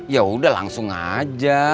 ya udah langsung aja